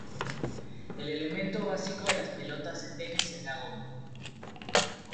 El elemento básico de las pelotas de tenis es la goma.